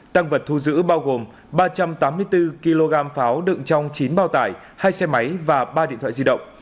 tăng vật thu giữ bao gồm ba trăm tám mươi bốn kg pháo đựng trong chín bao tải hai xe máy và ba điện thoại di động